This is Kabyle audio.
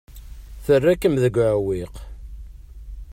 Terra-kem deg uɛewwiq.